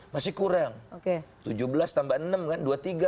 masih kurang tujuh belas tambah enam kan